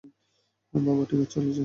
বাবা, ঠিক বলেছ।